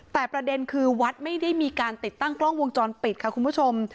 แต่ประเด็นคือวัดไม่ได้มีการติดตั้งกล้องวงจรปิดค่ะคุณผู้ชม